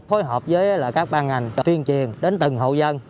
phối hợp với các ban ngành tuyên truyền đến từng hộ dân